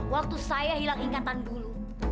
waktu saya hilang ingatan dulu